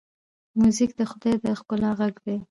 موزیک د خدای د ښکلا غږ دی.